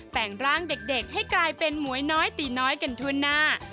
แต่งร่างเด็กให้กลายเป็นหมวยน้อยตีน้อยกันทั่วหน้า